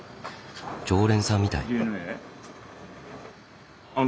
常連さんみたい。